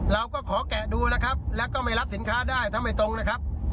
เราก็ขอแกะดูนะครับแล้วก็ไม่รับสินค้าได้ถ้าไม่ตรงนะครับ